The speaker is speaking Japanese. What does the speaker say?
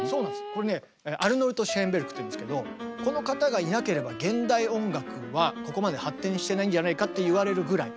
これねアルノルト・シェーンベルクっていうんですけどこの方がいなければ現代音楽はここまで発展してないんじゃないかって言われるぐらい。